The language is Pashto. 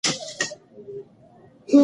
پښتو ادبيات ډېر بډايه دي.